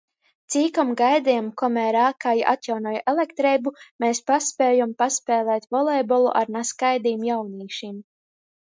Cikom gaidejom, komer ākai atjaunoj elektreibu, mes paspējom paspēlēt volejbolu ar nazkaidim jaunīšim.